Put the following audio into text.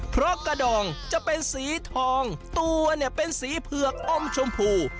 เพราะกระดองจะเป็นสีทองตัวเนี่ยเป็นสีเผือกอมชมพู